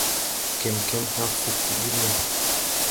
Kemkem hãã fuggi ɓil me.